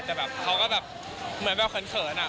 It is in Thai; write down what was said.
แต่แบบเขาก็แบบเหมือนแบบเขินอะ